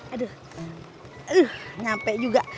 aduh nyampe juga